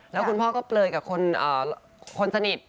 แล้วคุณพ่อก็เปลยกับคนสนิท